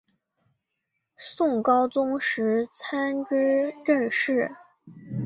宋高宗时参知政事。